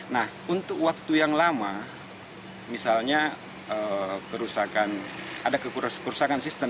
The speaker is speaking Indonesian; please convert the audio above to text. nah untuk waktu yang lama misalnya ada kerusakan sistem